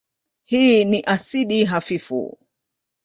Hii ni asidi hafifu.